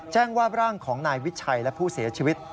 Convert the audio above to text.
แจ้งว่าร่างของนายวิชัยและผู้เสียชีวิต